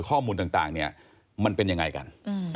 ข้อมูลต่างเนี่ยมันเป็นยังไงกัน